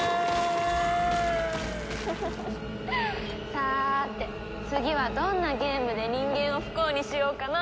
さて次はどんなゲームで人間を不幸にしようかな。